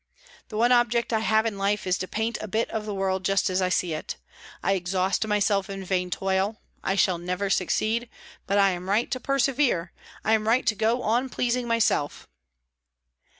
The one object I have in life is to paint a bit of the world just as I see it. I exhaust myself in vain toil; I shall never succeed; but I am right to persevere, I am right to go on pleasing myself."